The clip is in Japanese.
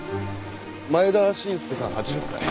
前田伸介さん８０歳。